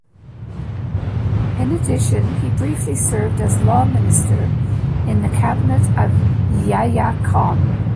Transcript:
In addition, he briefly served as Law Minister in the cabinet of Yahya Khan.